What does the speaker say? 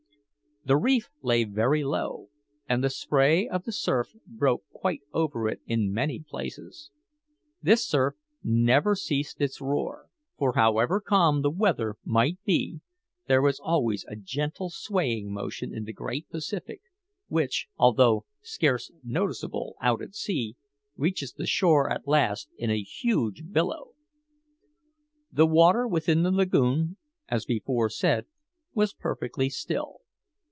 The reef lay very low, and the spray of the surf broke quite over it in many places. This surf never ceased its roar; for, however calm the weather might be, there is always a gentle swaying motion in the great Pacific, which, although scarce noticeable out at sea, reaches the shore at last in a huge billow. The water within the lagoon, as before said, was perfectly still.